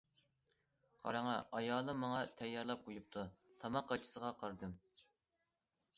- قاراڭە، ئايالىم ماڭا تەييارلاپ قويۇپتۇ! تاماق قاچىسىغا قارىدىم.